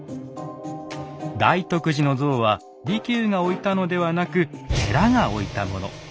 大徳寺の像は利休が置いたのではなく寺が置いたもの。